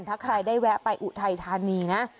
ถ้าใครได้แวะไปอุทัยธานีนะ